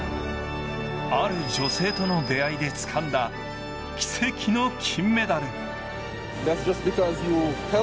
ある女性との出会いでつかんだ奇跡の金メダル。